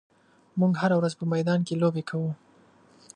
موږ هره ورځ په میدان کې لوبې کوو.